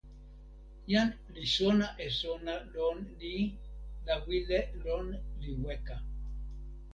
jan li sona e sona lon ni la wile lon li weka.